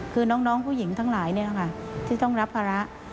คือน้องผู้หญิงทั้งหลายที่ต้องรับภาระ